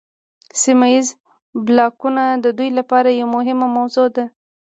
سیمه ایز بلاکونه د دوی لپاره یوه مهمه موضوع ده